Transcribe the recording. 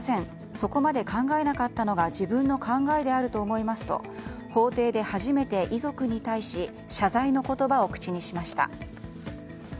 そこまで考えなかったのが自分の考えであると思いますと法廷で初めて遺族に対し謝罪の言葉を口にしました。